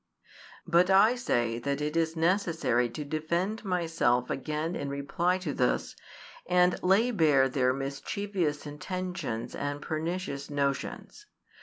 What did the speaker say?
But I say that it is necessary to defend myself again in reply to this, and lay bare their mischievous intentions and pernicious notions.